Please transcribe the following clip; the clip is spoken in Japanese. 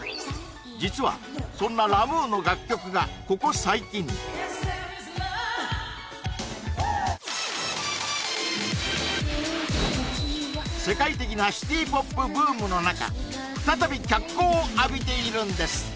実はそんなラ・ムーの楽曲がここ最近世界的なシティ・ポップブームの中再び脚光を浴びているんです